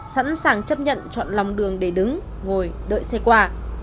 sẵn sàng chấp nhận chọn lòng đường để đứng ngồi đợi xe qua